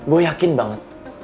gue yakin banget